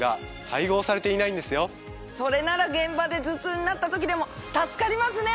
それなら現場で頭痛になった時でも助かりますね。